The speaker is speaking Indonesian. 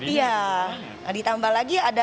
iya ditambah lagi ada